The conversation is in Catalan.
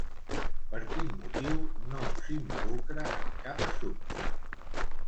Per quin motiu no s'involucra en cap assumpte?